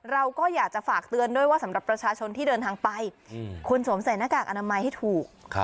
เราก็อยากจะฝากเตือนด้วยว่าสำหรับประชาชนที่เดินทางไปคุณสวมใส่หน้ากากอนามัยให้ถูก